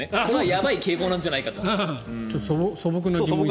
やばい傾向なんじゃないかと。